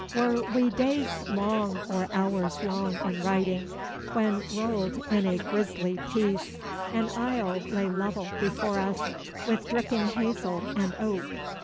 Were we days long or hours long in riding, when, rolled in a grisly peace, An isle lay level before us, with dripping hazel and oak?